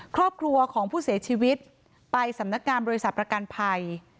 ครอบครัวของผู้เสียชีวิตไปสำนักงานบริษัทประกันภัย